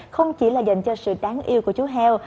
không chỉ là dành cho sự đáng yêu của chú heo